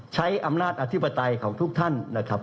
ใช้อำนาจอธิปไตยของทุกท่านนะครับ